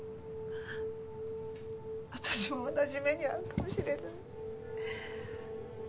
私も同じ目に遭うかもしれない。